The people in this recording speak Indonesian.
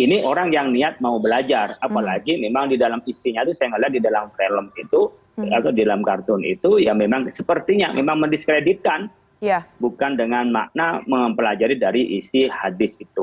ini orang yang niat mau belajar apalagi memang di dalam isinya itu saya melihat di dalam film itu atau di dalam kartun itu ya memang sepertinya memang mendiskreditkan bukan dengan makna mempelajari dari isi hadis itu